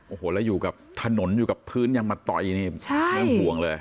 โอ้โหแล้วอยู่กับถนนอยู่กับพื้นยังมาต่อยนี่เรื่องห่วงเลย